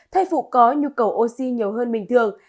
thai phụ có nhu cầu oxy nhiều hơn bình thường